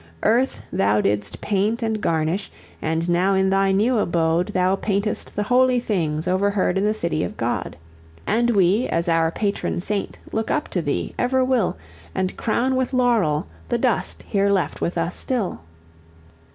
Earth thou didst paint and garnish, and now in thy new abode Thou paintest the holy things overhead in the city of God. And we, as our patron saint, look up to thee, ever will, And crown with laurel the dust here left with us still."